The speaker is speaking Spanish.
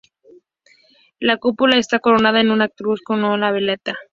La cúpula está coronada con una cruz con una veleta.